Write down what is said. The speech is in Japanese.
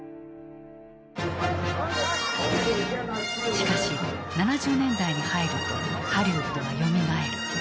しかし７０年代に入るとハリウッドはよみがえる。